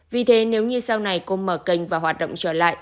vì thế nếu như sau này cô mở kênh và hoạt động trở lại